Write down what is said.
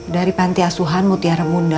dari pantai asuhan mutiara bunda